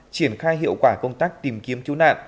triển khai hiệu quả công tác tìm kiếm cứu nạn